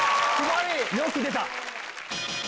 よく出た！